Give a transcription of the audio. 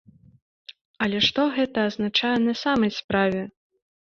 Але што гэта азначае на самай справе?